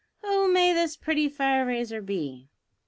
Who may this pretty fire raiser be?"